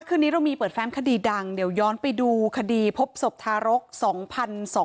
คืนนี้เรามีเปิดแฟ้มคดีดังเดี๋ยวย้อนไปดูคดีพบศพทารก๒๒๐๐